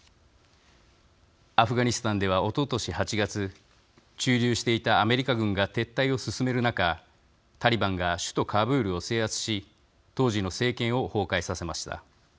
アフガニスタンではおととし８月駐留していたアメリカ軍が撤退を進める中タリバンが首都カブールを制圧し当時の政権を崩壊させました。